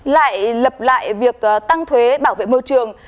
lại lập lại việc tăng thuế bảo vệ môi trường